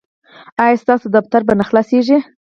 ایا ستاسو دفتر به نه خلاصیږي؟